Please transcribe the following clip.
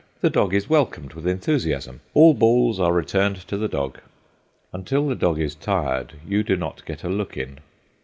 The dog is welcomed with enthusiasm; all balls are returned to the dog. Until the dog is tired you do not get a look in.